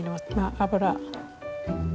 油。